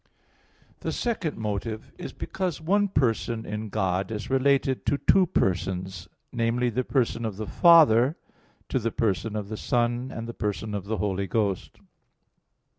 The second motive is because one person in God is related to two persons namely, the person of the Father to the person of the Son and the person of the Holy Ghost.